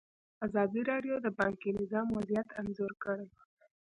ازادي راډیو د بانکي نظام وضعیت انځور کړی.